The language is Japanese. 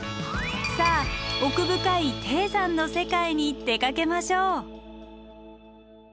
さあ奥深い低山の世界に出かけましょう。